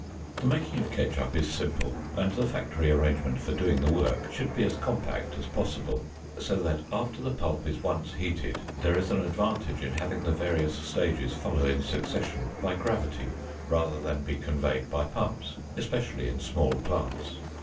The making of ketchup is simple and the factory arrangement for doing the work should be as compact as possible, so that after the pulp is once heated, there is an advantage in having the various steps follow in succession by gravity rather than be conveyed by pumps, especially in small plants.